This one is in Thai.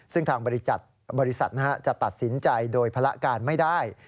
ซึ่งทางบริษัทจะตัดสินใจโดยภาระการไม่ได้